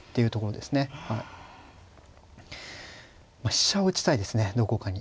飛車を打ちたいですねどこかに。